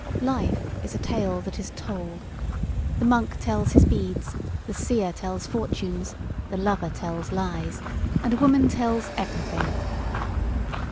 Life is a tale that is "told": the monk tells his beads, the seer tells fortunes, the lover tells lies and a woman tells everything.